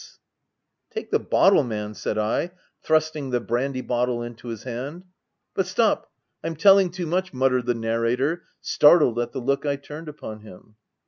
J " s Take the bottle, man V said I, thrusting the brandy bottle into his hand — but stop, I'm telling too much/' muttered the narrator, startled at the look I turned upon him.